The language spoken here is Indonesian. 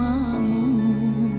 agakan busur and all